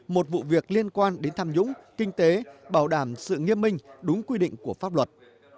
một vụ việc liên quan đến tham nhũng kinh tế bảo đảm sự nghiêm minh đúng quy định của pháp luật